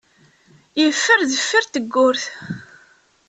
Yeffer deffir tewwurt.